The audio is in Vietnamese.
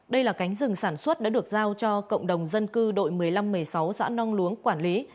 đây là cánh rừng sản xuất đã được giao cho cộng đồng dân cư đội một mươi năm một mươi sáu xã nong luống quản lý